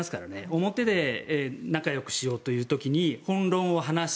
表で仲よくしようとする時に本論を話す。